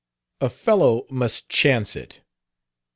"A fellow must chance it.